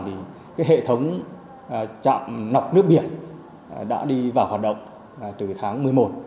thì hệ thống chạm nọc nước biển đã đi vào hoạt động từ tháng một mươi một